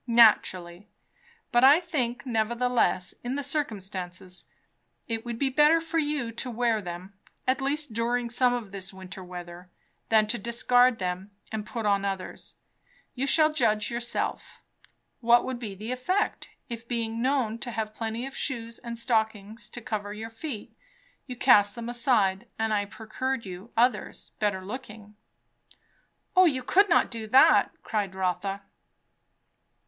"Naturally. But I think nevertheless, in the circumstances, it would be better for you to wear them, at least during some of this winter weather, than to discard them and put on others. You shall judge yourself. What would be the effect, if, being known to have plenty of shoes and stockings to cover your feet, you cast them aside, and I procured you others, better looking?" "O you could not do that!" cried Rotha.